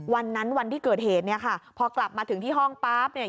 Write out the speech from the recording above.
วันนั้นวันที่เกิดเหตุเนี่ยค่ะพอกลับมาถึงที่ห้องปั๊บเนี่ย